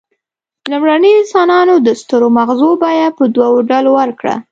لومړنیو انسانانو د سترو مغزو بیه په دوو ډولونو ورکړه.